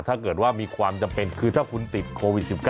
ถ้าเกิดว่ามีความจำเป็นคือถ้าคุณติดโควิด๑๙